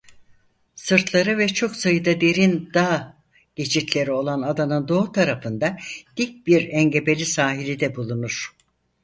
Sırtları ve çok sayıda derin dağ geçitleri olan adanın doğu tarafında dik bir engebeli sahili de bulunur.